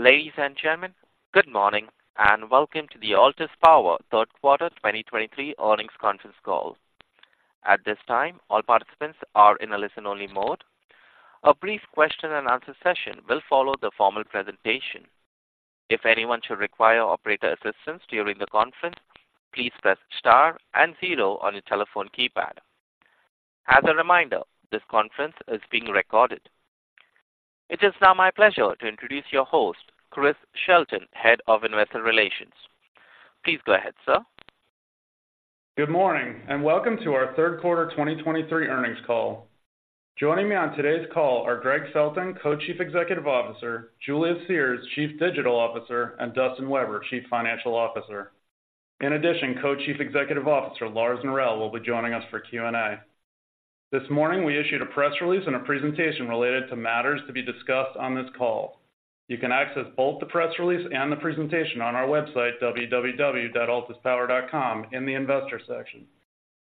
Ladies and gentlemen, good morning, and welcome to the Altus Power Third Quarter 2023 Earnings Conference Call. At this time, all participants are in a listen-only mode. A brief question-and-answer session will follow the formal presentation. If anyone should require operator assistance during the conference, please press star and zero on your telephone keypad. As a reminder, this conference is being recorded. It is now my pleasure to introduce your host, Chris Shelton, Head of Investor Relations. Please go ahead, sir. Good morning, and welcome to our third quarter 2023 earnings call. Joining me on today's call are Greggg Felton, Co-Chief Executive Officer, Julia Sears, Chief Digital Officer, and Dustin Weber, Chief Financial Officer. In addition, Co-Chief Executive Officer Lars Norell will be joining us for Q&A. This morning, we issued a press release and a presentation related to matters to be discussed on this call. You can access both the press release and the presentation on our website, www.altuspower.com, in the investor section.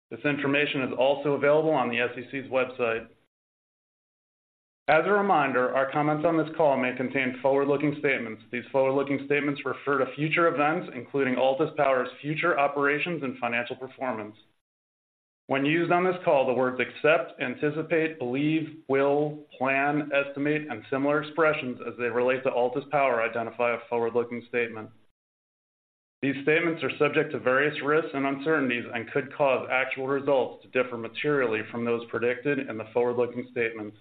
This information is also available on the SEC's website. As a reminder, our comments on this call may contain forward-looking statements. These forward-looking statements refer to future events, including Altus Power's future operations and financial performance. When used on this call, the words expect, anticipate, believe, will, plan, estimate, and similar expressions as they relate to Altus Power identify a forward-looking statement. These statements are subject to various risks and uncertainties and could cause actual results to differ materially from those predicted in the forward-looking statements.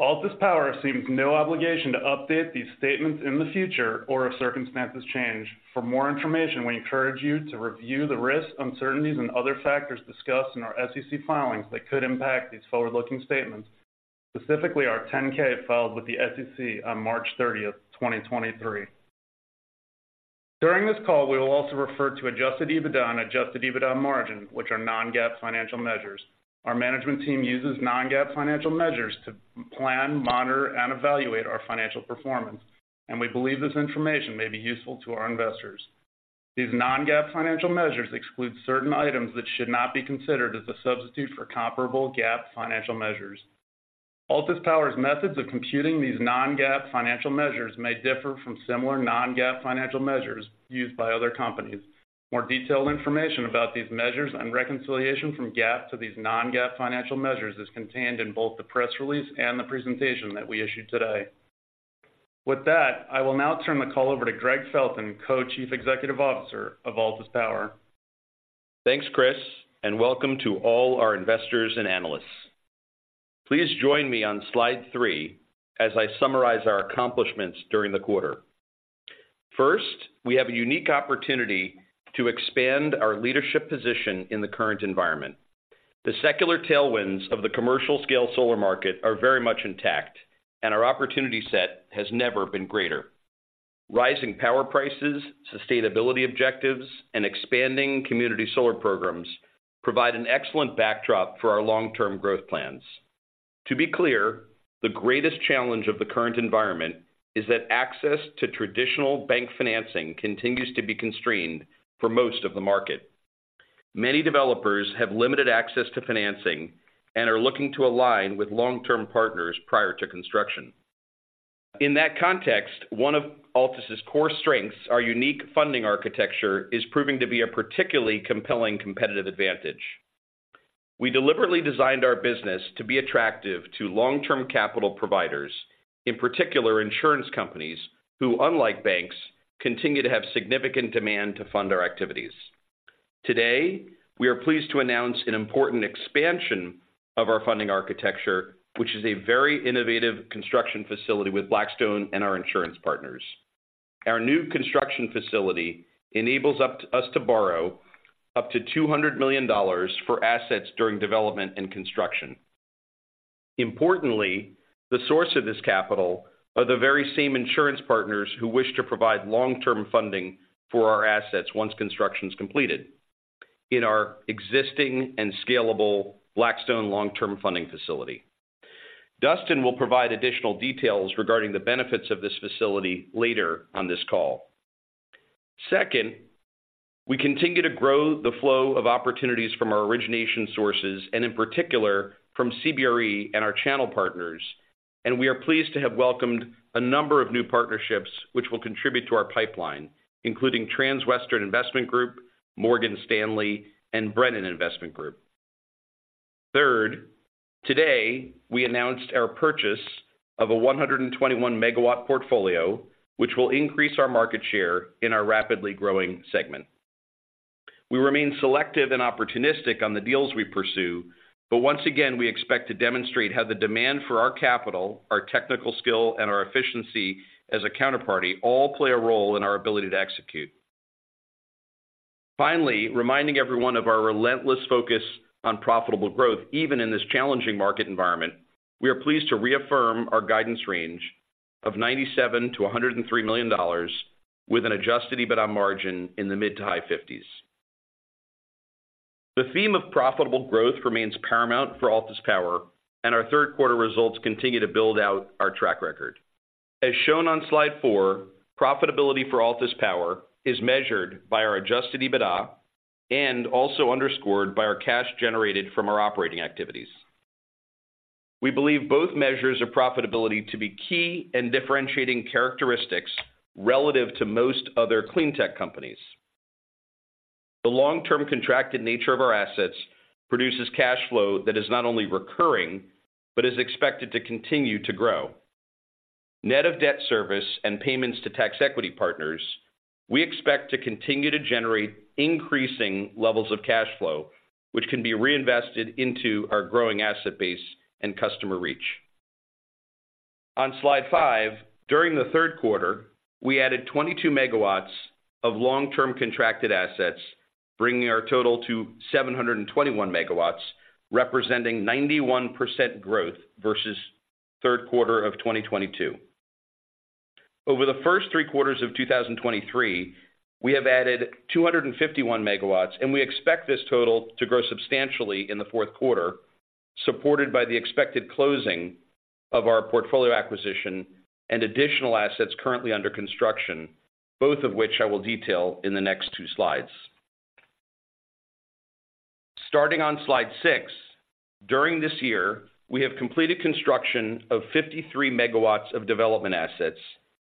Altus Power assumes no obligation to update these statements in the future or if circumstances change. For more information, we encourage you to review the risks, uncertainties, and other factors discussed in our SEC filings that could impact these forward-looking statements, specifically our 10-K filed with the SEC on March 30, 2023. During this call, we will also refer to Adjusted EBITDA and Adjusted EBITDA Margin, which are non-GAAP financial measures. Our management team uses non-GAAP financial measures to plan, monitor, and evaluate our financial performance, and we believe this information may be useful to our investors. These non-GAAP financial measures exclude certain items that should not be considered as a substitute for comparable GAAP financial measures. Altus Power's methods of computing these non-GAAP financial measures may differ from similar non-GAAP financial measures used by other companies. More detailed information about these measures and reconciliation from GAAP to these non-GAAP financial measures is contained in both the press release and the presentation that we issued today. With that, I will now turn the call over to Greggg Felton, Co-Chief Executive Officer of Altus Power. Thanks, Chris, and welcome to all our investors and analysts. Please join me on slide 3 as I summarize our accomplishments during the quarter. First, we have a unique opportunity to expand our leadership position in the current environment. The secular tailwinds of the commercial-scale solar market are very much intact, and our opportunity set has never been greater. Rising power prices, sustainability objectives, and expanding community solar programs provide an excellent backdrop for our long-term growth plans. To be clear, the greatest challenge of the current environment is that access to traditional bank financing continues to be constrained for most of the market. Many developers have limited access to financing and are looking to align with long-term partners prior to construction. In that context, one of Altus's core strengths, our unique funding architecture, is proving to be a particularly compelling competitive advantage. We deliberately designed our business to be attractive to long-term capital providers, in particular, insurance companies, who, unlike banks, continue to have significant demand to fund our activities. Today, we are pleased to announce an important expansion of our funding architecture, which is a very innovative construction facility with Blackstone and our insurance partners. Our new construction facility enables us to borrow up to $200 million for assets during development and construction. Importantly, the source of this capital are the very same insurance partners who wish to provide long-term funding for our assets once construction is completed in our existing and scalable Blackstone long-term funding facility. Dustin will provide additional details regarding the benefits of this facility later on this call. Second, we continue to grow the flow of opportunities from our origination sources and in particular from CBRE and our channel partners, and we are pleased to have welcomed a number of new partnerships which will contribute to our pipeline, including Transwestern Investment Group, Morgan Stanley, and Brennan Investment Group. Third, today, we announced our purchase of a 121 MW portfolio, which will increase our market share in our rapidly growing segment. We remain selective and opportunistic on the deals we pursue, but once again, we expect to demonstrate how the demand for our capital, our technical skill, and our efficiency as a counterparty all play a role in our ability to execute. Finally, reminding everyone of our relentless focus on profitable growth, even in this challenging market environment, we are pleased to reaffirm our guidance range of $97 million-$103 million, with an Adjusted EBITDA margin in the mid- to high 50s%. The theme of profitable growth remains paramount for Altus Power, and our third quarter results continue to build out our track record. As shown on slide 4, profitability for Altus Power is measured by our Adjusted EBITDA and also underscored by our cash generated from our operating activities. We believe both measures of profitability to be key and differentiating characteristics relative to most other clean tech companies. The long-term contracted nature of our assets produces cash flow that is not only recurring, but is expected to continue to grow. Net of debt service and payments to tax equity partners, we expect to continue to generate increasing levels of cash flow, which can be reinvested into our growing asset base and customer reach. On Slide 5, during the third quarter, we added 22 megawatts of long-term contracted assets, bringing our total to 721 megawatts, representing 91% growth versus third quarter of 2022. Over the first three quarters of 2023, we have added 251 megawatts, and we expect this total to grow substantially in the fourth quarter, supported by the expected closing of our portfolio acquisition and additional assets currently under construction, both of which I will detail in the next two slides. Starting on Slide 6, during this year, we have completed construction of 53 MW of development assets,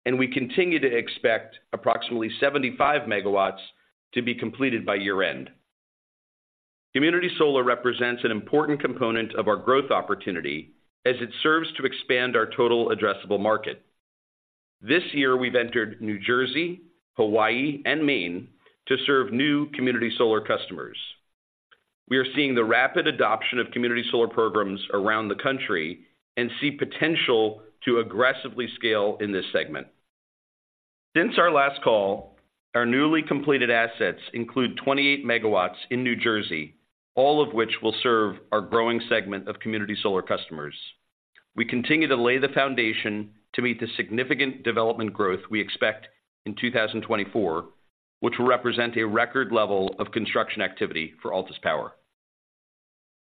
and we continue to expect approximately 75 MW to be completed by year-end. Community Solar represents an important component of our growth opportunity as it serves to expand our total addressable market. This year, we've entered New Jersey, Hawaii, and Maine to serve new Community Solar customers. We are seeing the rapid adoption of Community Solar programs around the country and see potential to aggressively scale in this segment. Since our last call, our newly completed assets include 28 MW in New Jersey, all of which will serve our growing segment of Community Solar customers. We continue to lay the foundation to meet the significant development growth we expect in 2024, which will represent a record level of construction activity for Altus Power.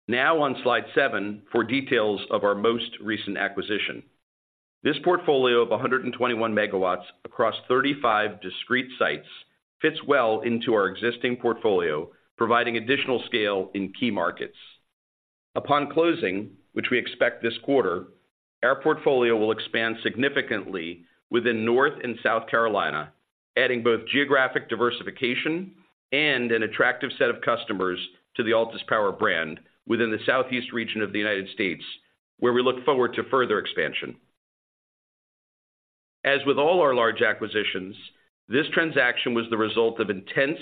Now on Slide 7, for details of our most recent acquisition. This portfolio of 121 megawatts across 35 discrete sites, fits well into our existing portfolio, providing additional scale in key markets. Upon closing, which we expect this quarter, our portfolio will expand significantly within North and South Carolina, adding both geographic diversification and an attractive set of customers to the Altus Power brand within the Southeast region of the United States, where we look forward to further expansion. As with all our large acquisitions, this transaction was the result of intense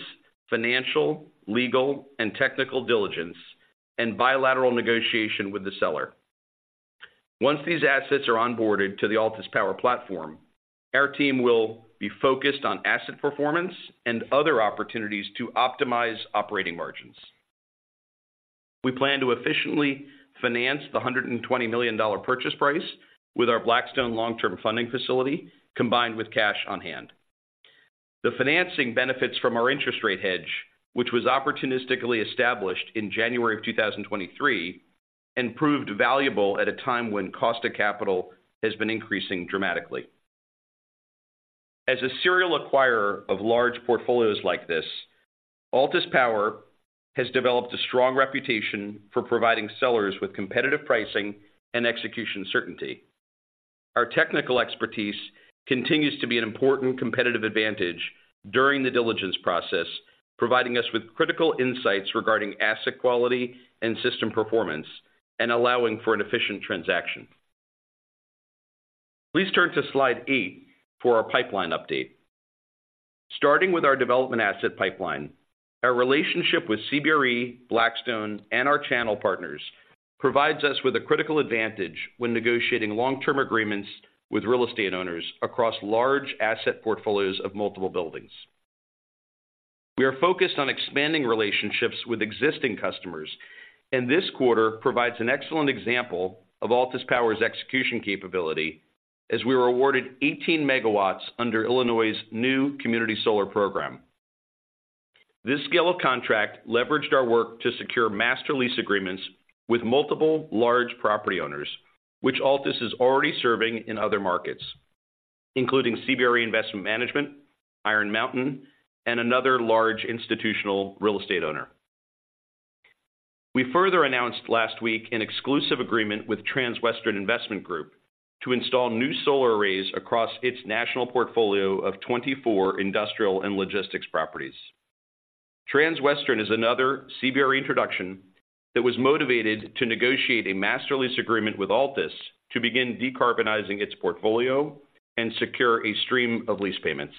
financial, legal, and technical diligence and bilateral negotiation with the seller. Once these assets are onboarded to the Altus Power platform, our team will be focused on asset performance and other opportunities to optimize operating margins. We plan to efficiently finance the $120 million purchase price with our Blackstone long-term funding facility, combined with cash on hand. The financing benefits from our interest rate hedge, which was opportunistically established in January 2023, and proved valuable at a time when cost of capital has been increasing dramatically. As a serial acquirer of large portfolios like this, Altus Power has developed a strong reputation for providing sellers with competitive pricing and execution certainty. Our technical expertise continues to be an important competitive advantage during the diligence process, providing us with critical insights regarding asset quality and system performance, and allowing for an efficient transaction. Please turn to Slide 8 for our pipeline update. Starting with our development asset pipeline, our relationship with CBRE, Blackstone, and our channel partners, provides us with a critical advantage when negotiating long-term agreements with real estate owners across large asset portfolios of multiple buildings. We are focused on expanding relationships with existing customers, and this quarter provides an excellent example of Altus Power's execution capability, as we were awarded 18 MW under Illinois's new Community Solar program. This scale of contract leveraged our work to secure master lease agreements with multiple large property owners, which Altus is already serving in other markets, including CBRE Investment Management, Iron Mountain, and another large institutional real estate owner. We further announced last week an exclusive agreement with Transwestern Investment Group to install new solar arrays across its national portfolio of 24 industrial and logistics properties. Transwestern is another CBRE introduction that was motivated to negotiate a master lease agreement with Altus to begin decarbonizing its portfolio and secure a stream of lease payments.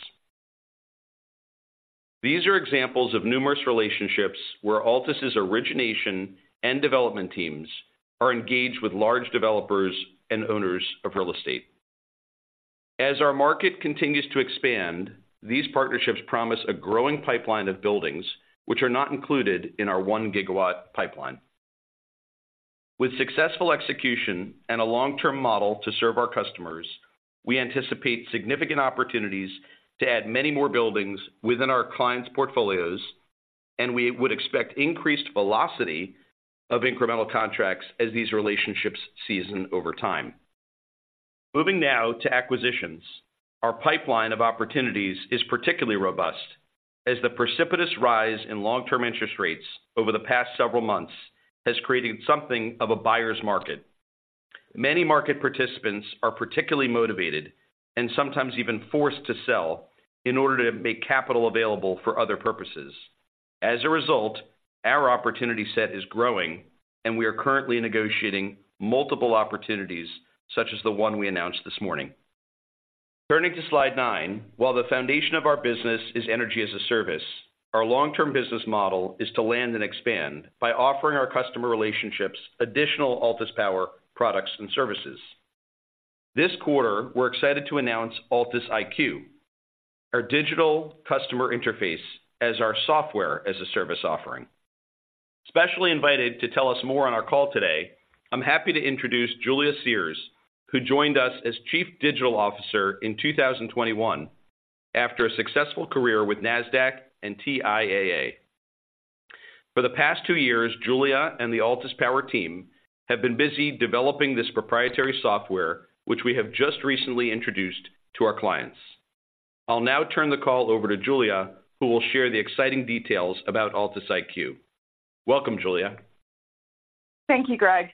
These are examples of numerous relationships where Altus' origination and development teams are engaged with large developers and owners of real estate. As our market continues to expand, these partnerships promise a growing pipeline of buildings, which are not included in our 1-gigawatt pipeline. With successful execution and a long-term model to serve our customers, we anticipate significant opportunities to add many more buildings within our clients' portfolios, and we would expect increased velocity of incremental contracts as these relationships season over time. Moving now to acquisitions. Our pipeline of opportunities is particularly robust, as the precipitous rise in long-term interest rates over the past several months has created something of a buyer's market. Many market participants are particularly motivated, and sometimes even forced to sell, in order to make capital available for other purposes. As a result, our opportunity set is growing, and we are currently negotiating multiple opportunities, such as the one we announced this morning. Turning to Slide 9, while the foundation of our business is energy as a service, our long-term business model is to land and expand by offering our customer relationships additional Altus Power products and services. This quarter, we're excited to announce Altus IQ, our digital customer interface, as our software as a service offering. Especially invited to tell us more on our call today, I'm happy to introduce Julia Sears, who joined us as Chief Digital Officer in 2021 after a successful career with Nasdaq and TIAA. For the past two years, Julia and the Altus Power team have been busy developing this proprietary software, which we have just recently introduced to our clients. I'll now turn the call over to Julia, who will share the exciting details about Altus IQ. Welcome, Julia. Thank you, Gregg.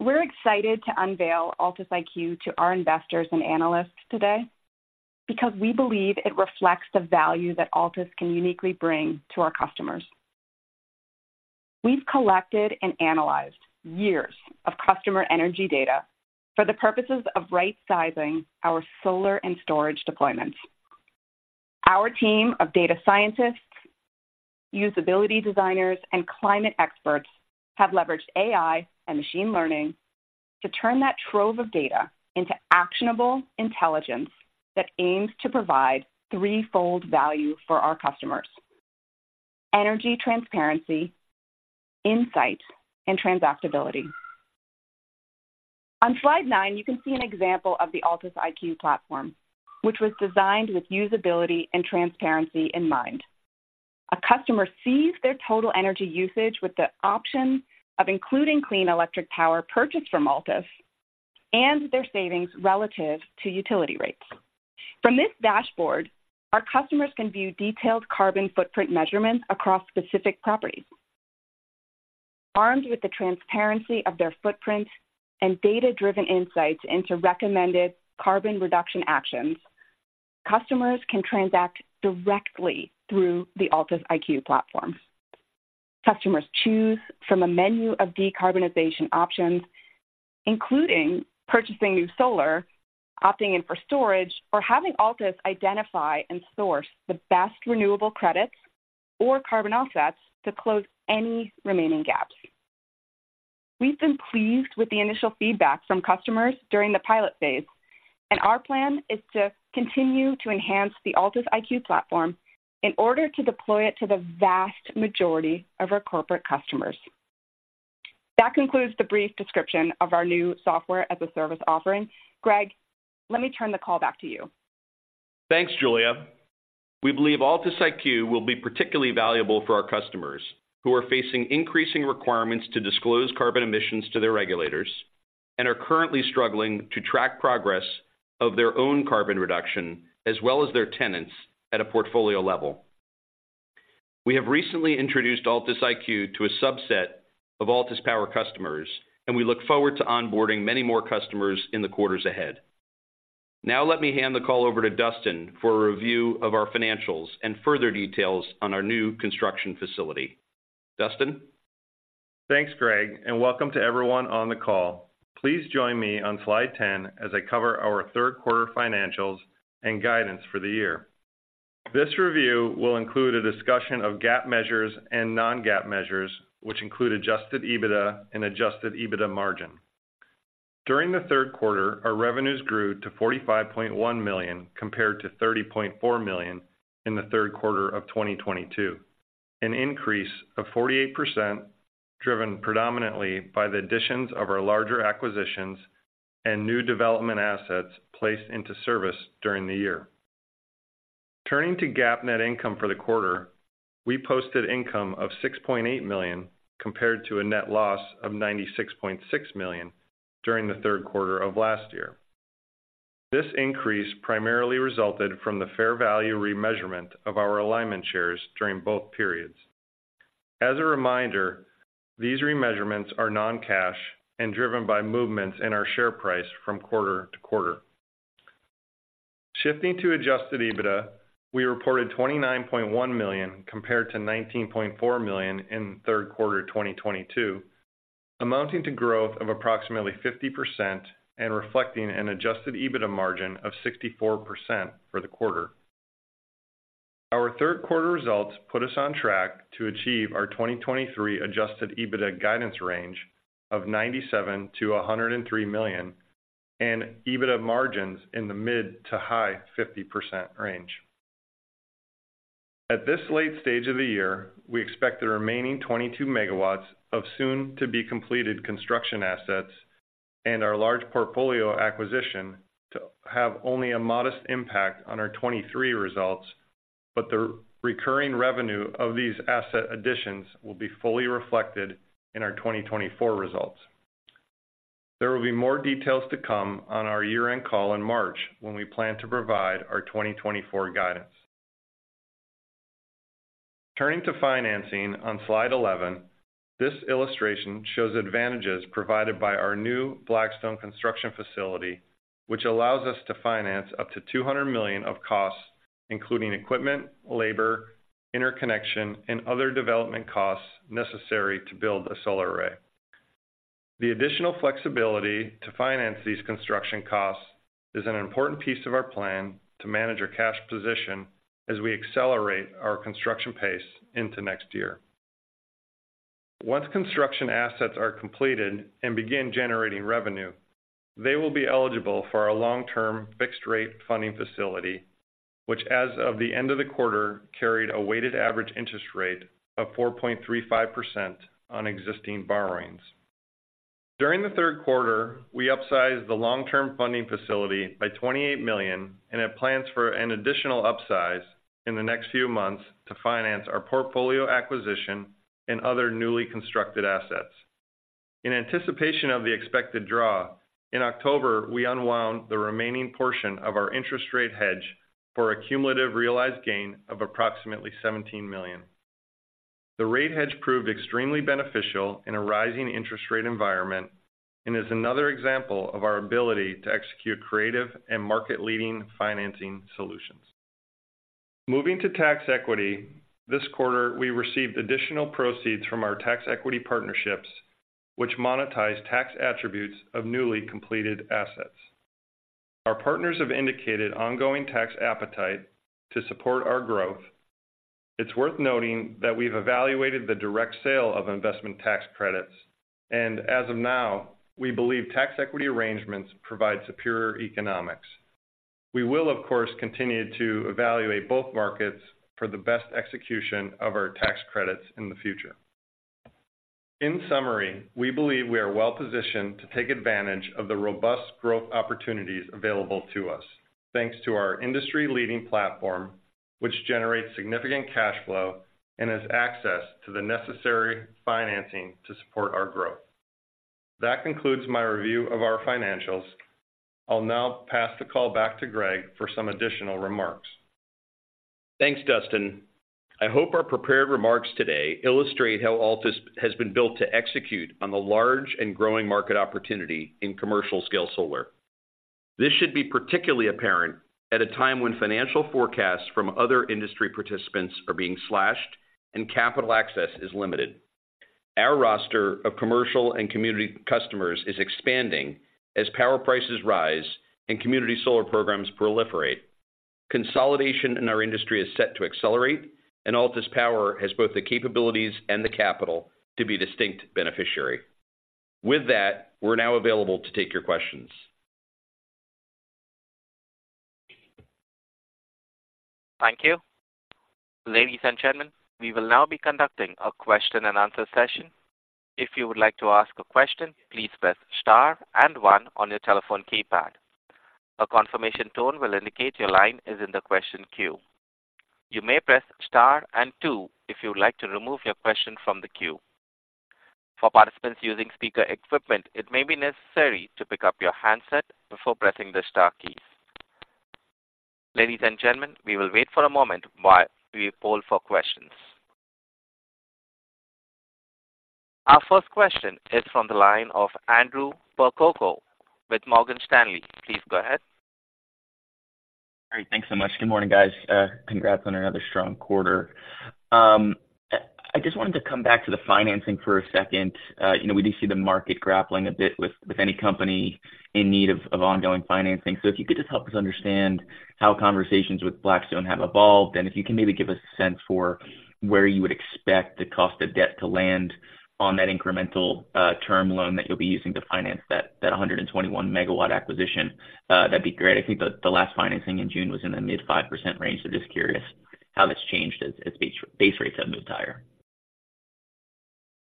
We're excited to unveil Altus IQ to our investors and analysts today, because we believe it reflects the value that Altus can uniquely bring to our customers. We've collected and analyzed years of customer energy data for the purposes of right-sizing our solar and storage deployments. Our team of data scientists, usability designers, and climate experts have leveraged AI and machine learning to turn that trove of data into actionable intelligence that aims to provide threefold value for our customers: energy transparency, insight, and transactability. On Slide 9, you can see an example of the Altus IQ platform, which was designed with usability and transparency in mind. A customer sees their total energy usage with the option of including clean electric power purchased from Altus and their savings relative to utility rates. From this dashboard, our customers can view detailed carbon footprint measurements across specific properties. Armed with the transparency of their footprint and data-driven insights into recommended carbon reduction actions, customers can transact directly through the Altus IQ platform. Customers choose from a menu of decarbonization options, including purchasing new solar, opting in for storage, or having Altus identify and source the best renewable credits or carbon offsets to close any remaining gaps. We've been pleased with the initial feedback from customers during the pilot phase, and our plan is to continue to enhance the Altus IQ platform in order to deploy it to the vast majority of our corporate customers. That concludes the brief description of our new software-as-a-service offering. Gregg, let me turn the call back to you. Thanks, Julia. We believe Altus IQ will be particularly valuable for our customers who are facing increasing requirements to disclose carbon emissions to their regulators and are currently struggling to track progress of their own carbon reduction, as well as their tenants, at a portfolio level. We have recently introduced Altus IQ to a subset of Altus Power customers, and we look forward to onboarding many more customers in the quarters ahead. Now, let me hand the call over to Dustin for a review of our financials and further details on our new construction facility. Dustin? Thanks, Gregg, and welcome to everyone on the call. Please join me on Slide 10 as I cover our third quarter financials and guidance for the year. This review will include a discussion of GAAP measures and non-GAAP measures, which include adjusted EBITDA and adjusted EBITDA margin. During the third quarter, our revenues grew to $45.1 million, compared to $30.4 million in the third quarter of 2022, an increase of 48%, driven predominantly by the additions of our larger acquisitions and new development assets placed into service during the year. Turning to GAAP net income for the quarter, we posted income of $6.8 million, compared to a net loss of $96.6 million during the third quarter of last year. This increase primarily resulted from the fair value remeasurement of our alignment shares during both periods. As a reminder, these remeasurements are non-cash and driven by movements in our share price from quarter to quarter. Shifting to adjusted EBITDA, we reported $29.1 million, compared to $19.4 million in the third quarter of 2022, amounting to growth of approximately 50% and reflecting an adjusted EBITDA margin of 64% for the quarter. Our third quarter results put us on track to achieve our 2023 adjusted EBITDA guidance range of $97-$103 million and EBITDA margins in the mid- to high-50% range. At this late stage of the year, we expect the remaining 22 MW of soon-to-be-completed construction assets and our large portfolio acquisition... have only a modest impact on our 2023 results, but the recurring revenue of these asset additions will be fully reflected in our 2024 results. There will be more details to come on our year-end call in March, when we plan to provide our 2024 guidance. Turning to financing on slide 11, this illustration shows advantages provided by our new Blackstone construction facility, which allows us to finance up to $200 million of costs, including equipment, labor, interconnection, and other development costs necessary to build a solar array. The additional flexibility to finance these construction costs is an important piece of our plan to manage our cash position as we accelerate our construction pace into next year. Once construction assets are completed and begin generating revenue, they will be eligible for our long-term fixed-rate funding facility, which, as of the end of the quarter, carried a weighted average interest rate of 4.35% on existing borrowings. During the third quarter, we upsized the long-term funding facility by $28 million, and have plans for an additional upsize in the next few months to finance our portfolio acquisition and other newly constructed assets. In anticipation of the expected draw, in October, we unwound the remaining portion of our interest rate hedge for a cumulative realized gain of approximately $17 million. The rate hedge proved extremely beneficial in a rising interest rate environment and is another example of our ability to execute creative and market-leading financing solutions. Moving to tax equity, this quarter, we received additional proceeds from our tax equity partnerships, which monetized tax attributes of newly completed assets. Our partners have indicated ongoing tax appetite to support our growth. It's worth noting that we've evaluated the direct sale of investment tax credits, and as of now, we believe tax equity arrangements provide superior economics. We will, of course, continue to evaluate both markets for the best execution of our tax credits in the future. In summary, we believe we are well-positioned to take advantage of the robust growth opportunities available to us, thanks to our industry-leading platform, which generates significant cash flow and has access to the necessary financing to support our growth. That concludes my review of our financials. I'll now pass the call back to Greggg for some additional remarks. Thanks, Dustin. I hope our prepared remarks today illustrate how Altus has been built to execute on the large and growing market opportunity in commercial-scale solar. This should be particularly apparent at a time when financial forecasts from other industry participants are being slashed and capital access is limited. Our roster of commercial and community customers is expanding as power prices rise and community solar programs proliferate. Consolidation in our industry is set to accelerate, and Altus Power has both the capabilities and the capital to be a distinct beneficiary. With that, we're now available to take your questions. Thank you. Ladies and gentlemen, we will now be conducting a question-and-answer session. If you would like to ask a question, please press star and 1 on your telephone keypad. A confirmation tone will indicate your line is in the question queue. You may press star and 2 if you would like to remove your question from the queue. For participants using speaker equipment, it may be necessary to pick up your handset before pressing the star key. Ladies and gentlemen, we will wait for a moment while we poll for questions. Our first question is from the line of Andrew Percoco with Morgan Stanley. Please go ahead. Great. Thanks so much. Good morning, guys. Congrats on another strong quarter. I just wanted to come back to the financing for a second. You know, we do see the market grappling a bit with any company in need of ongoing financing. So if you could just help us understand how conversations with Blackstone have evolved, and if you can maybe give us a sense for where you would expect the cost of debt to land on that incremental term loan that you'll be using to finance that 121 megawatt acquisition, that'd be great. I think the last financing in June was in the mid-5% range, so just curious how that's changed as base rates have moved higher.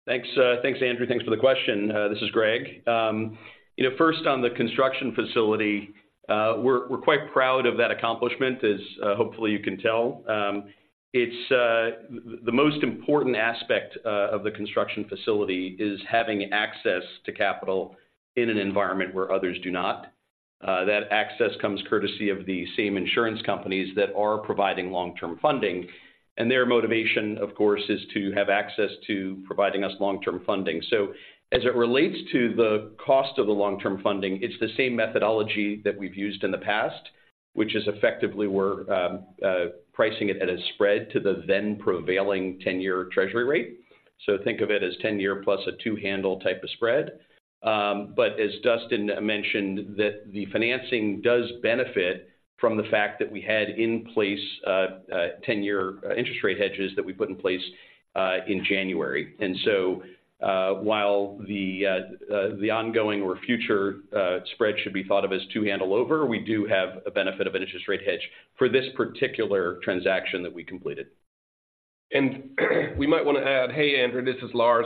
Thanks, thanks, Andrew. Thanks for the question. This is Gregg. You know, first, on the construction facility, we're quite proud of that accomplishment, as hopefully you can tell. It's the most important aspect of the construction facility is having access to capital in an environment where others do not. That access comes courtesy of the same insurance companies that are providing long-term funding, and their motivation, of course, is to have access to providing us long-term funding. So as it relates to the cost of the long-term funding, it's the same methodology that we've used in the past, which is effectively we're pricing it at a spread to the then prevailing 10-year Treasury rate. So think of it as 10-year plus a 2-handle type of spread. But as Dustin mentioned, the financing does benefit from the fact that we had in place a 10-year interest rate hedges that we put in place in January. So, while the ongoing or future spread should be thought of as 2 handle over, we do have a benefit of an interest rate hedge for this particular transaction that we completed. Hey, Andrew, this is Lars.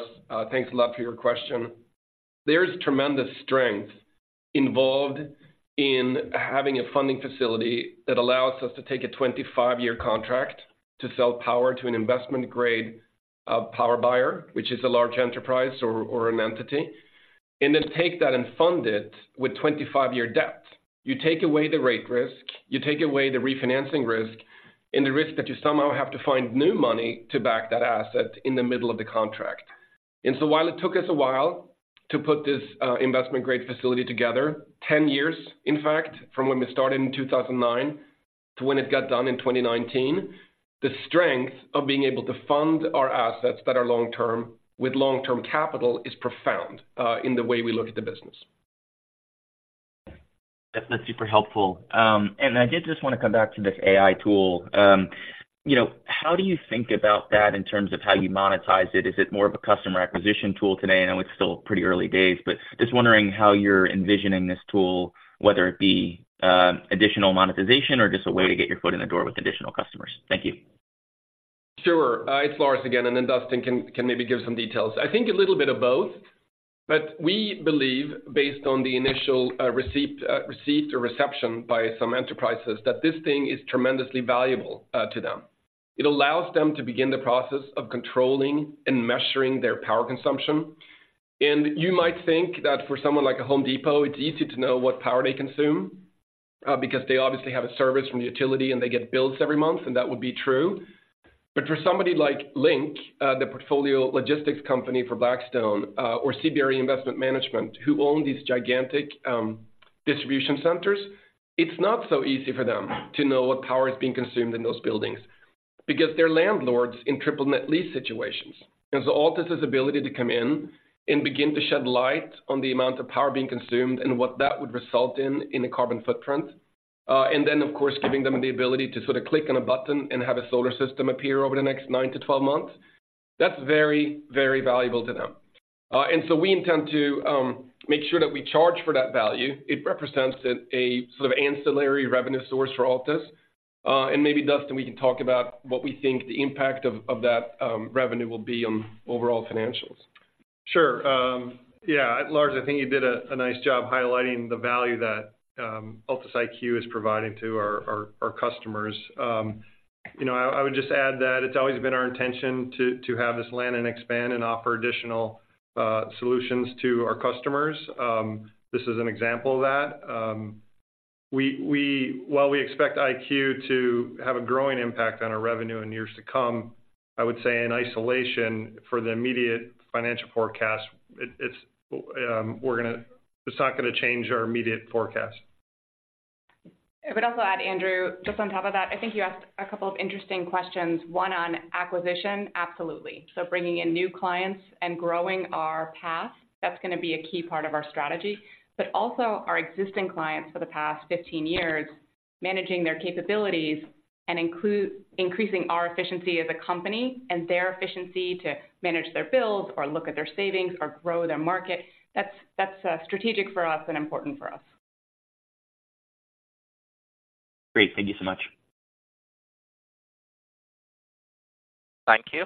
Thanks a lot for your question. There's tremendous strength involved in having a funding facility that allows us to take a 25-year contract to sell power to an investment-grade power buyer, which is a large enterprise or an entity, and then take that and fund it with 25-year debt. You take away the rate risk, you take away the refinancing risk, and the risk that you somehow have to find new money to back that asset in the middle of the contract. While it took us a while to put this investment-grade facility together, 10 years, in fact, from when we started in 2009 to when it got done in 2019, the strength of being able to fund our assets that are long-term with long-term capital is profound in the way we look at the business. That's super helpful. I did just want to come back to this AI tool. You know, how do you think about that in terms of how you monetize it? Is it more of a customer acquisition tool today? I know it's still pretty early days, but just wondering how you're envisioning this tool, whether it be additional monetization or just a way to get your foot in the door with additional customers. Thank you. Sure. It's Lars again, and then Dustin can maybe give some details. I think a little bit of both, but we believe, based on the initial receipt or reception by some enterprises, that this thing is tremendously valuable to them. It allows them to begin the process of controlling and measuring their power consumption. You might think that for someone like a Home Depot, it's easy to know what power they consume because they obviously have a service from the utility, and they get bills every month, and that would be true. But for somebody like Link, the portfolio logistics company for Blackstone, or CBRE Investment Management, who own these gigantic distribution centers, it's not so easy for them to know what power is being consumed in those buildings because they're landlords in triple net lease situations. Altus' ability to come in and begin to shed light on the amount of power being consumed and what that would result in a carbon footprint, and then, of course, giving them the ability to sort of click on a button and have a solar system appear over the next 9-12 months, that's very, very valuable to them. We intend to make sure that we charge for that value. It represents a sort of ancillary revenue source for Altus. Maybe, Dustin, we can talk about what we think the impact of that revenue will be on overall financials. Sure. Yeah, Lars, I think you did a nice job highlighting the value that Altus IQ is providing to our customers. You know, I would just add that it's always been our intention to have this land and expand and offer additional solutions to our customers. This is an example of that. While we expect IQ to have a growing impact on our revenue in years to come, I would say in isolation for the immediate financial forecast, it's not gonna change our immediate forecast. I would also add, Andrew, just on top of that, I think you asked a couple of interesting questions, one on acquisition, absolutely. So bringing in new clients and growing our path, that's gonna be a key part of our strategy, but also our existing clients for the past 15 years, managing their capabilities and increasing our efficiency as a company and their efficiency to manage their bills or look at their savings or grow their market, that's, that's, strategic for us and important for us. Great. Thank you so much. Thank you.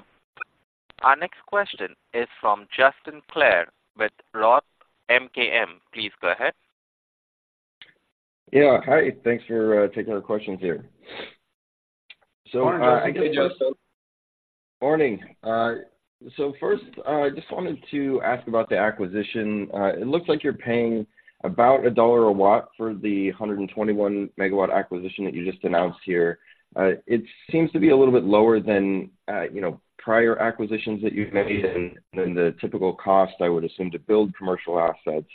Our next question is from Justin Clare with Roth MKM. Please go ahead. Yeah. Hi, thanks for taking our questions here. So- Morning- Morning. So first, I just wanted to ask about the acquisition. It looks like you're paying about $1 a watt for the 121 MW acquisition that you just announced here. It seems to be a little bit lower than, you know, prior acquisitions that you've made and than the typical cost, I would assume, to build commercial assets.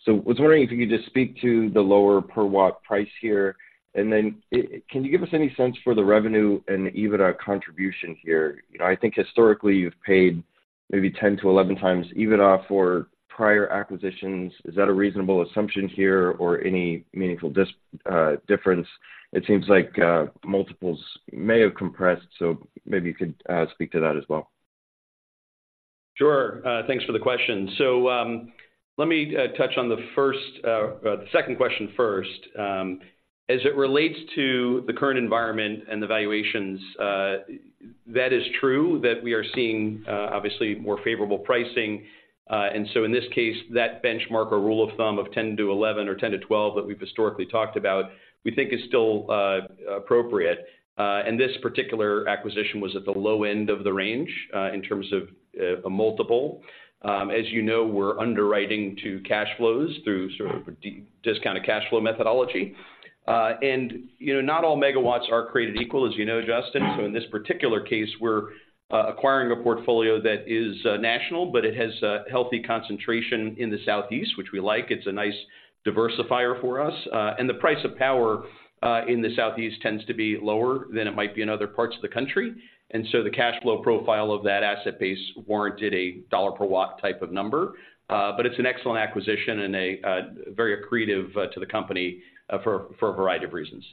So I was wondering if you could just speak to the lower per watt price here, and then, can you give us any sense for the revenue and the EBITDA contribution here? You know, I think historically you've paid maybe 10-11x EBITDA for prior acquisitions. Is that a reasonable assumption here or any meaningful difference? It seems like, multiples may have compressed, so maybe you could speak to that as well. Sure. Thanks for the question. So, let me touch on the second question first. As it relates to the current environment and the valuations, that is true that we are seeing obviously more favorable pricing. And so in this case, that benchmark or rule of thumb of 10-11 or 10-12 that we've historically talked about, we think is still appropriate. And this particular acquisition was at the low end of the range in terms of a multiple. As you know, we're underwriting to cash flows through sort of discounted cash flow methodology. And, you know, not all megawatts are created equal, as you know, Justin. So in this particular case, we're acquiring a portfolio that is national, but it has a healthy concentration in the Southeast, which we like. It's a nice diversifier for us. And the price of power in the Southeast tends to be lower than it might be in other parts of the country. And so the cash flow profile of that asset base warranted a dollar-per-watt type of number. But it's an excellent acquisition and a very accretive to the company for a variety of reasons.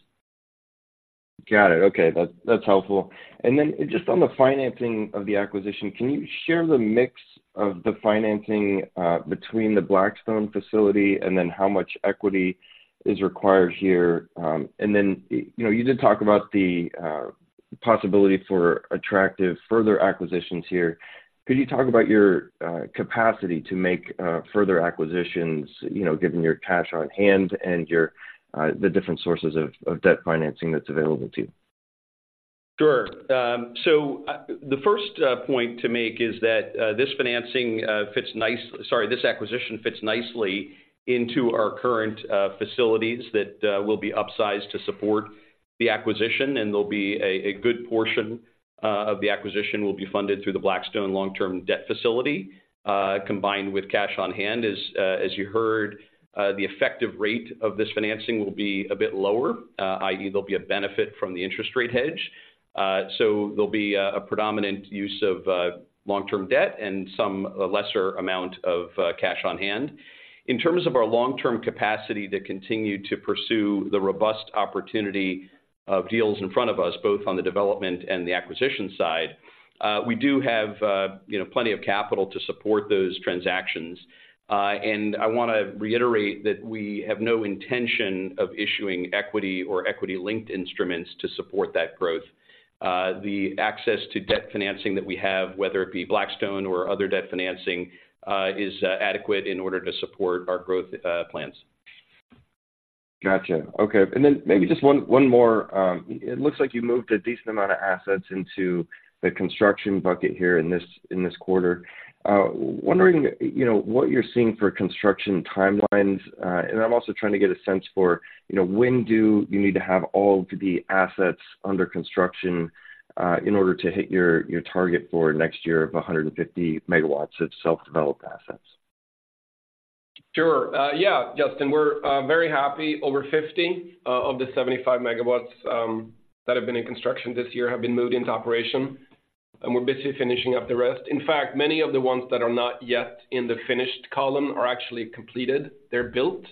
Got it. Okay, that's, that's helpful. And then just on the financing of the acquisition, can you share the mix of the financing between the Blackstone facility and then how much equity is required here? And then, you know, you did talk about the possibility for attractive further acquisitions here. Could you talk about your capacity to make further acquisitions, you know, given your cash on hand and your the different sources of debt financing that's available to you? Sure. So, the first point to make is that this acquisition fits nicely into our current facilities that will be upsized to support the acquisition, and there'll be a good portion of the acquisition will be funded through the Blackstone long-term debt facility combined with cash on hand. As you heard, the effective rate of this financing will be a bit lower, i.e., there'll be a benefit from the interest rate hedge. So there'll be a predominant use of long-term debt and some a lesser amount of cash on hand. In terms of our long-term capacity to continue to pursue the robust opportunity of deals in front of us, both on the development and the acquisition side, we do have, you know, plenty of capital to support those transactions. And I wanna reiterate that we have no intention of issuing equity or equity-linked instruments to support that growth. The access to debt financing that we have, whether it be Blackstone or other debt financing, is adequate in order to support our growth plans. Gotcha. Okay, and then maybe just one more. It looks like you moved a decent amount of assets into the construction bucket here in this quarter. Wondering, you know, what you're seeing for construction timelines, and I'm also trying to get a sense for, you know, when do you need to have all the assets under construction in order to hit your target for next year of 150 megawatts of self-developed assets? Sure. Yeah, Justin, we're very happy. Over 50 of the 75 megawatts that have been in construction this year have been moved into operation, and we're basically finishing up the rest. In fact, many of the ones that are not yet in the finished column are actually completed. They're built,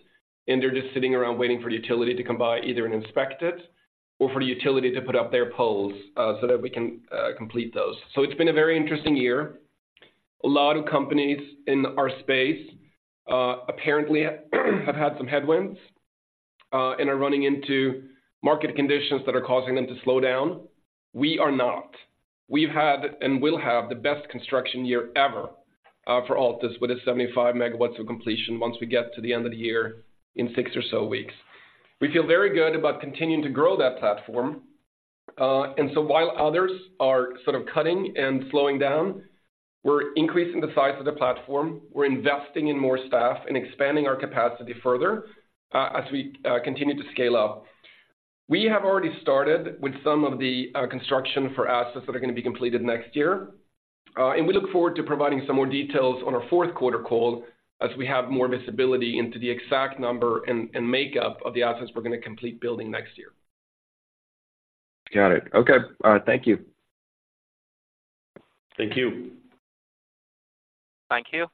and they're just sitting around waiting for the utility to come by, either to inspect it or for the utility to put up their poles, so that we can complete those. So it's been a very interesting year. A lot of companies in our space apparently have had some headwinds and are running into market conditions that are causing them to slow down. We are not. We've had and will have the best construction year ever, for Altus, with the 75 MW of completion once we get to the end of the year in six or so weeks. We feel very good about continuing to grow that platform. And so while others are sort of cutting and slowing down, we're increasing the size of the platform. We're investing in more staff and expanding our capacity further, as we continue to scale up. We have already started with some of the construction for assets that are gonna be completed next year, and we look forward to providing some more details on our fourth quarter call as we have more visibility into the exact number and makeup of the assets we're gonna complete building next year. Got it. Okay. Thank you. Thank you. Thank you.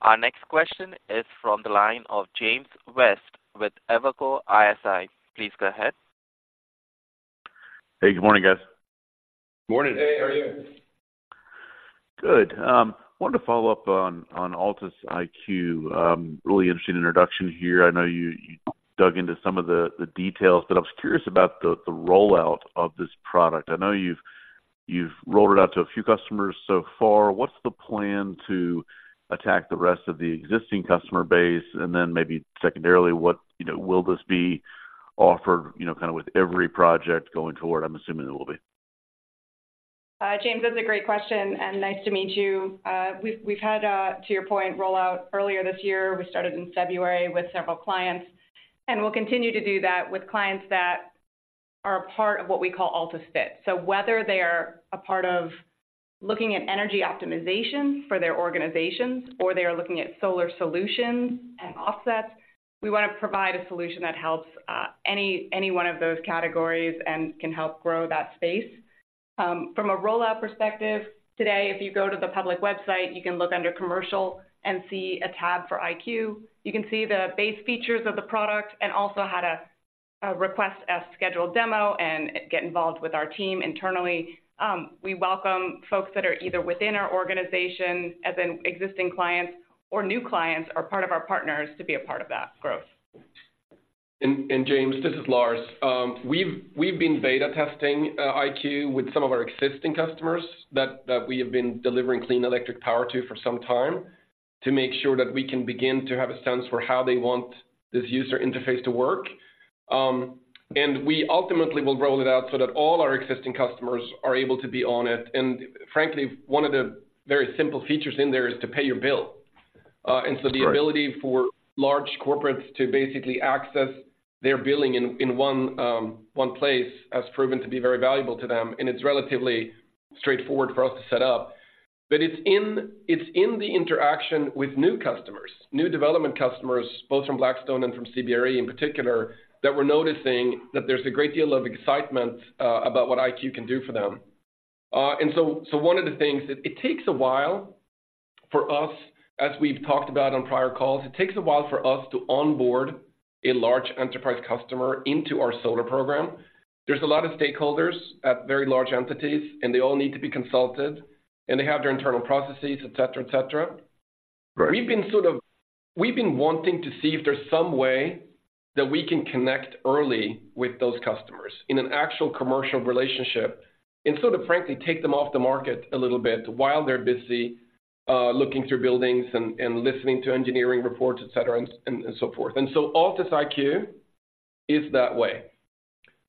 Our next question is from the line of James West with Evercore ISI. Please go ahead. Hey, good morning, guys. Morning. Hey, how are you? Good. Wanted to follow up on Altus IQ. Really interesting introduction here. I know you dug into some of the details, but I was curious about the rollout of this product. I know you've rolled it out to a few customers so far. What's the plan to attack the rest of the existing customer base? And then maybe secondarily, what... You know, will this be offered, you know, kinda with every project going forward? I'm assuming it will be. James, that's a great question, and nice to meet you. We've had, to your point, rollout earlier this year. We started in February with several clients, and we'll continue to do that with clients that are a part of what we call Altus Fit. So whether they are a part of looking at energy optimization for their organizations, or they are looking at solar solutions and offsets, we wanna provide a solution that helps any one of those categories and can help grow that space. From a rollout perspective, today, if you go to the public website, you can look under Commercial and see a tab for IQ. You can see the base features of the product and also how to request a scheduled demo and get involved with our team internally. We welcome folks that are either within our organization, as in existing clients or new clients, or part of our partners to be a part of that growth. James, this is Lars. We've been beta testing IQ with some of our existing customers that we have been delivering clean electric power to for some time, to make sure that we can begin to have a sense for how they want this user interface to work. And we ultimately will roll it out so that all our existing customers are able to be on it. And frankly, one of the very simple features in there is to pay your bill. Right. And so the ability for large corporates to basically access their billing in one place has proven to be very valuable to them, and it's relatively straightforward for us to set up. But it's in the interaction with new customers, new development customers, both from Blackstone and from CBRE in particular, that we're noticing that there's a great deal of excitement about what IQ can do for them. And so one of the things. It takes a while for us, as we've talked about on prior calls, it takes a while for us to onboard a large enterprise customer into our solar program. There's a lot of stakeholders at very large entities, and they all need to be consulted, and they have their internal processes, et cetera, et cetera. Right. We've been wanting to see if there's some way that we can connect early with those customers in an actual commercial relationship, and sort of frankly, take them off the market a little bit while they're busy looking through buildings and listening to engineering reports, et cetera, and so forth. So Altus IQ is that way.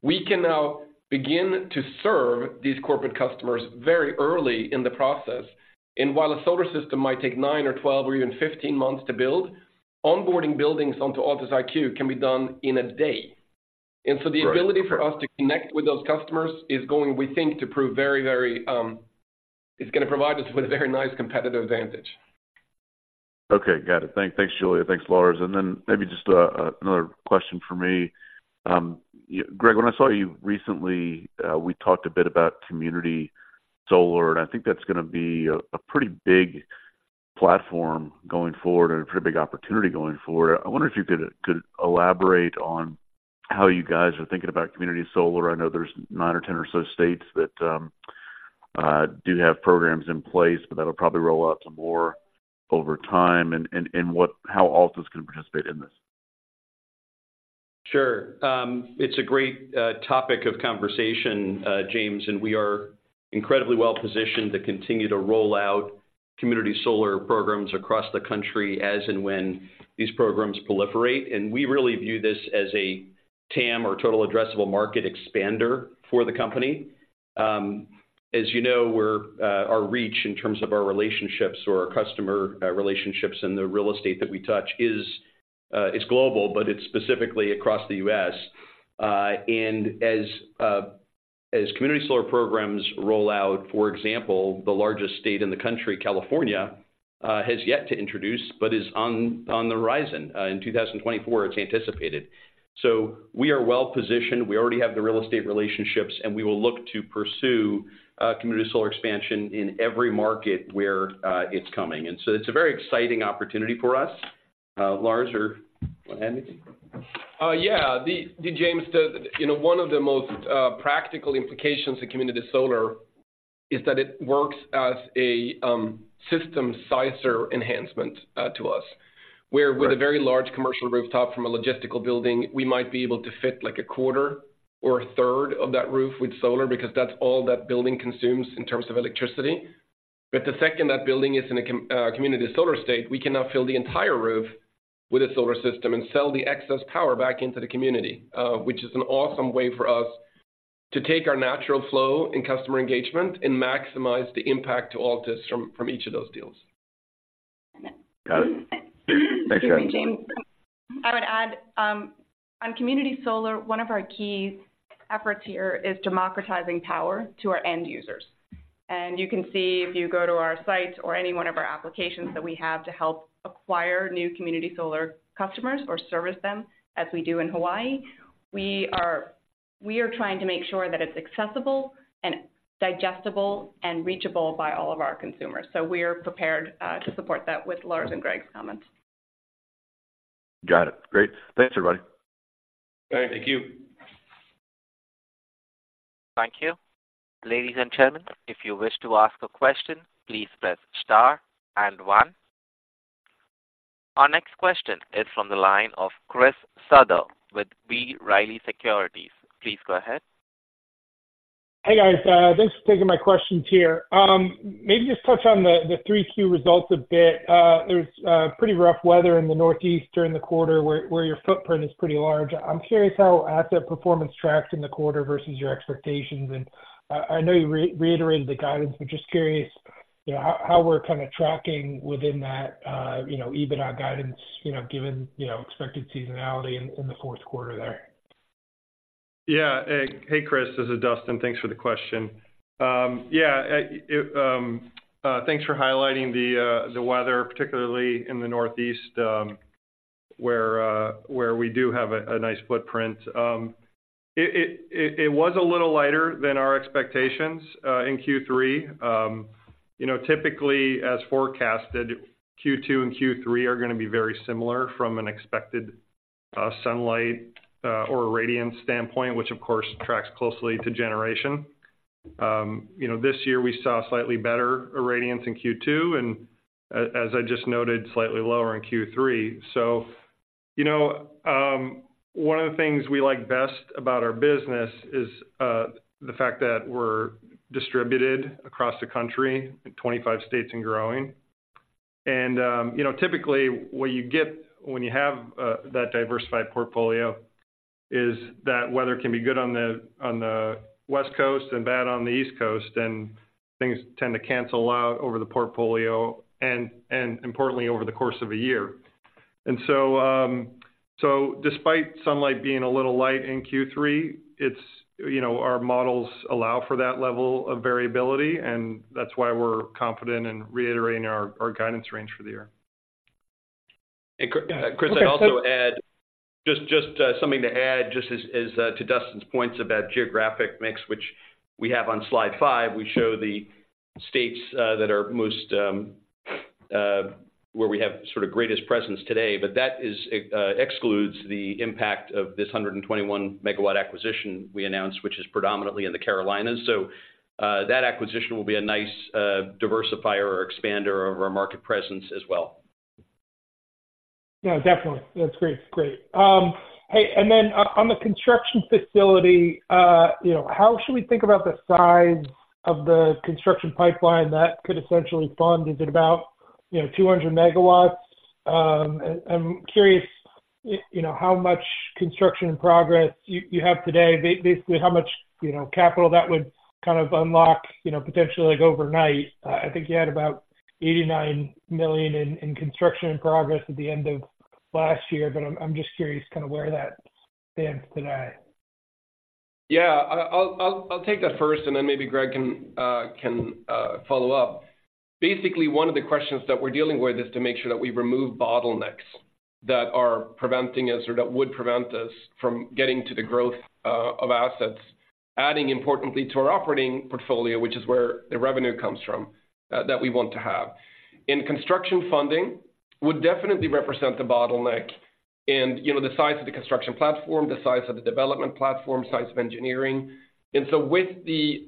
We can now begin to serve these corporate customers very early in the process. While a solar system might take nine or 12 or even 15 months to build, onboarding buildings onto Altus IQ can be done in a day. Right. And so the ability for us to connect with those customers is going, we think, to prove very, very. It's gonna provide us with a very nice competitive advantage. Okay, got it. Thanks, thanks, Julia. Thanks, Lars. And then maybe just another question for me. Gregg, when I saw you recently, we talked a bit about community solar, and I think that's gonna be a pretty big platform going forward and a pretty big opportunity going forward. I wonder if you could elaborate on how you guys are thinking about community solar. I know there's 9 or 10 or so states that do have programs in place, but that'll probably roll out to more over time, and what - how Altus can participate in this? Sure. It's a great topic of conversation, James, and we are incredibly well-positioned to continue to roll out community solar programs across the country as and when these programs proliferate. And we really view this as a TAM, or total addressable market, expander for the company. As you know, our reach in terms of our relationships or our customer relationships and the real estate that we touch is global, but it's specifically across the U.S. And as community solar programs roll out, for example, the largest state in the country, California, has yet to introduce, but is on the horizon. In 2024, it's anticipated. So we are well positioned. We already have the real estate relationships, and we will look to pursue Community Solar expansion in every market where it's coming. And so it's a very exciting opportunity for us. Lars, you want to add anything? Yeah. The James, the you know, one of the most practical implications of Community Solar is that it works as a system sizer enhancement to us, where- Right With a very large commercial rooftop from a logistical building, we might be able to fit, like, a quarter or a third of that roof with solar because that's all that building consumes in terms of electricity. But the second that building is in a community solar state, we can now fill the entire roof with a solar system and sell the excess power back into the community, which is an awesome way for us to take our natural flow in customer engagement and maximize the impact to Altus from each of those deals. Got it. Thanks, guys. James, I would add, on Community Solar, one of our key efforts here is democratizing power to our end users. And you can see if you go to our site or any one of our applications that we have to help acquire new Community Solar customers or service them, as we do in Hawaii, we are, we are trying to make sure that it's accessible and digestible and reachable by all of our consumers. So we are prepared to support that with Lars and Greggg's comments. Got it. Great. Thanks, everybody. Thank you. Thank you. Thank you. Ladies and gentlemen, if you wish to ask a question, please press star and one. Our next question is from the line of Chris Souther with B. Riley Securities. Please go ahead. Hey, guys, thanks for taking my questions here. Maybe just touch on the Q3 results a bit. There's pretty rough weather in the Northeast during the quarter, where your footprint is pretty large. I'm curious how asset performance tracked in the quarter versus your expectations. And I know you reiterated the guidance, but just curious, you know, how we're kind of tracking within that, you know, EBITDA guidance, you know, given expected seasonality in the fourth quarter there. Yeah. Hey, Chris, this is Dustin. Thanks for the question. Yeah, thanks for highlighting the weather, particularly in the Northeast, where we do have a nice footprint. It was a little lighter than our expectations in Q3. You know, typically, as forecasted, Q2 and Q3 are gonna be very similar from an expected sunlight or irradiance standpoint, which of course tracks closely to generation. You know, this year we saw slightly better irradiance in Q2, and as I just noted, slightly lower in Q3. So, you know, one of the things we like best about our business is the fact that we're distributed across the country in 25 states and growing. You know, typically, what you get when you have that diversified portfolio is that weather can be good on the West Coast and bad on the East Coast, and things tend to cancel out over the portfolio and, importantly, over the course of a year. So, despite sunlight being a little light in Q3, it's... You know, our models allow for that level of variability, and that's why we're confident in reiterating our guidance range for the year. Chris, I'd also add just something to add, just as to Dustin's points about geographic mix, which we have on slide 5. We show the states that are most where we have sort of greatest presence today, but that excludes the impact of this 121-MW acquisition we announced, which is predominantly in the Carolinas. That acquisition will be a nice diversifier or expander of our market presence as well. Yeah, definitely. That's great. Great. Hey, and then on the construction facility, you know, how should we think about the size of the construction pipeline that could essentially fund? Is it about, you know, 200 megawatts? I'm curious, you know, how much construction progress you have today. Basically, how much, you know, capital that would kind of unlock, you know, potentially, like, overnight? I think you had about $89 million in construction progress at the end of last year, but I'm just curious kind of where that stands today. Yeah. I'll take that first, and then maybe Gregg can follow up. Basically, one of the questions that we're dealing with is to make sure that we remove bottlenecks that are preventing us, or that would prevent us from getting to the growth of assets, adding importantly to our operating portfolio, which is where the revenue comes from that we want to have. In construction funding would definitely represent the bottleneck and, you know, the size of the construction platform, the size of the development platform, size of engineering. And so with the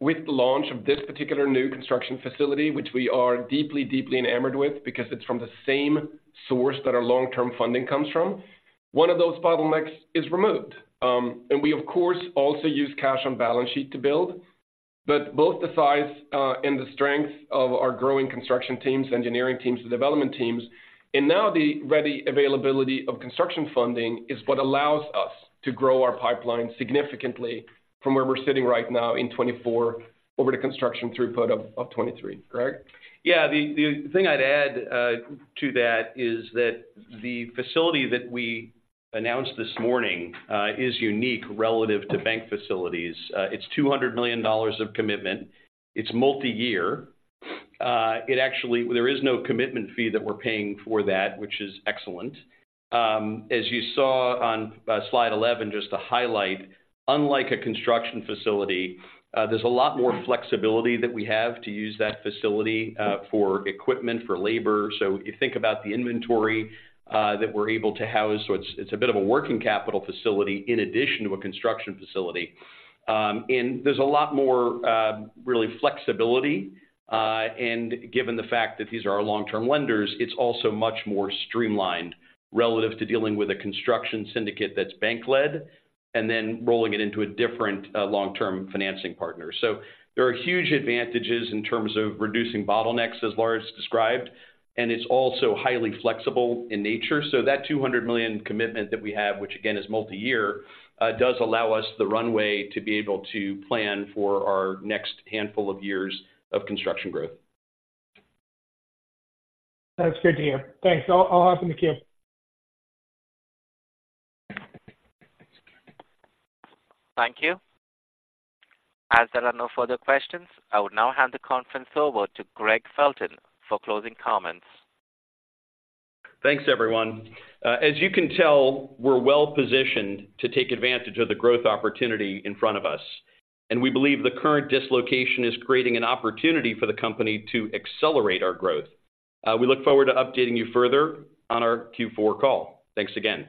launch of this particular new construction facility, which we are deeply, deeply enamored with because it's from the same source that our long-term funding comes from, one of those bottlenecks is removed. And we, of course, also use cash on balance sheet to build. Both the size and the strength of our growing construction teams, engineering teams, and development teams, and now the ready availability of construction funding, is what allows us to grow our pipeline significantly from where we're sitting right now in 2024 over the construction throughput of 2023. Gregg? Yeah. The thing I'd add to that is that the facility that we announced this morning is unique relative to bank facilities. It's $200 million of commitment. It's multi-year. It actually, there is no commitment fee that we're paying for that, which is excellent. As you saw on slide 11, just to highlight, unlike a construction facility, there's a lot more flexibility that we have to use that facility for equipment, for labor. So if you think about the inventory that we're able to house, it's a bit of a working capital facility in addition to a construction facility. And there's a lot more really flexibility, and given the fact that these are our long-term lenders, it's also much more streamlined relative to dealing with a construction syndicate that's bank-led, and then rolling it into a different long-term financing partner. So there are huge advantages in terms of reducing bottlenecks, as Lars described, and it's also highly flexible in nature. So that $200 million commitment that we have, which again, is multi-year, does allow us the runway to be able to plan for our next handful of years of construction growth. That's good to hear. Thanks. I'll hop in the queue. Thank you. As there are no further questions, I will now hand the conference over to Greggg Felton for closing comments. Thanks, everyone. As you can tell, we're well positioned to take advantage of the growth opportunity in front of us, and we believe the current dislocation is creating an opportunity for the company to accelerate our growth. We look forward to updating you further on our Q4 call. Thanks again.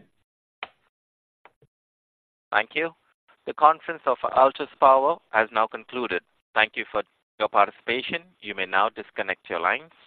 Thank you. The conference of Altus Power has now concluded. Thank you for your participation. You may now disconnect your lines.